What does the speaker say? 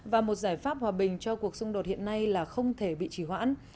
và một giải pháp hòa bình cho cuộc xung đột hiện nay là không thể bị chỉ hoãn